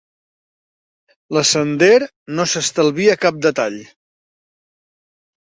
La Sender no se n'estalvia cap detall.